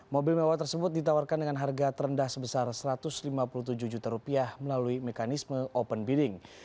mobil mewah tersebut ditawarkan dengan harga terendah sebesar rp satu ratus lima puluh tujuh juta rupiah melalui mekanisme open bidding